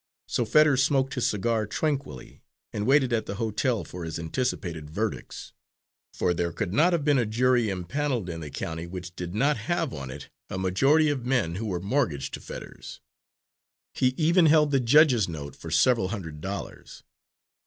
So Fetters smoked his cigar tranquilly, and waited at the hotel for his anticipated verdicts. For there could not be a jury impanelled in the county which did not have on it a majority of men who were mortgaged to Fetters. He even held the Judge's note for several hundred dollars.